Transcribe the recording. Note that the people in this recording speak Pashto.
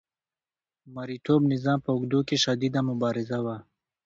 د مرئیتوب نظام په اوږدو کې شدیده مبارزه وه.